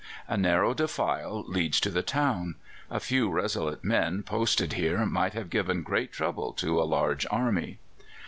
A narrow defile leads to the town. A few resolute men posted here might have given great trouble to a large army."